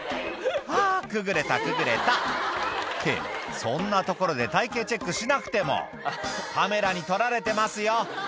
「はぁくぐれたくぐれた」ってそんな所で体形チェックしなくてもカメラに撮られてますよ